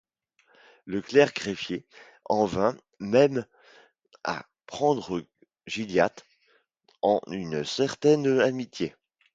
Le clerc greffier en vint même à prendre Gilliatt en une certaine amitié.